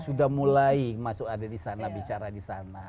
sudah mulai masuk ada di sana bicara di sana